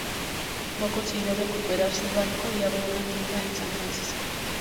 No consiguió recuperar su barco y abrió una tienda en San Francisco.